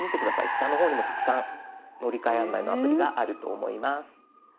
下の方にもたくさん乗り換え案内のアプリがあると思います。